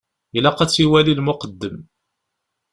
Ilaq ad tt-iwali lmuqeddem.